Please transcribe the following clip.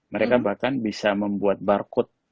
mereka bahkan bisa membuat barcode